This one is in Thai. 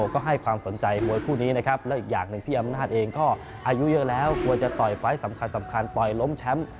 ก็อายุเยอะแล้วควรจะต่อยไฟต์สำคัญต่อยล้มแชมป์